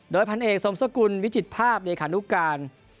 โดยพันธุ์เอกสมสกุลวิจิภาพยกษ์ภัณฑ์หนูการ